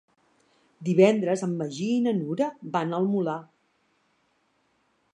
Divendres en Magí i na Nura van al Molar.